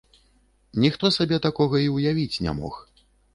Ніхто сабе такога і ўявіць не мог.